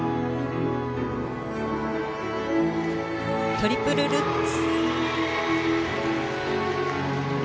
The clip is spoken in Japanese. トリプルルッツ。